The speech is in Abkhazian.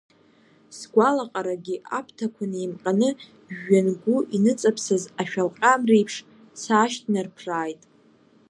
Сгәалаҟарагьы, аԥҭақәа неимҟьаны жәҩангәы иныҵаԥсаз ашәалҟьа мреиԥш саашьҭнарԥрааит.